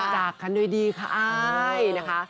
จากคันด้วยดีค่ะ